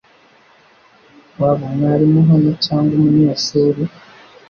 Waba umwarimu hano cyangwa umunyeshuri?